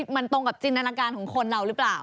มันตรงกับจินตนาการของคนเราหรือเปล่า